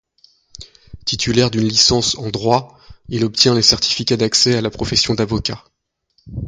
Titulaire d'une licence en droit, il obtient les certificats d'accès à la profession d'avocat.